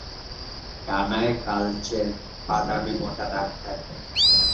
ডানায় কালচে-বাদামি মোটা দাগ থাকে।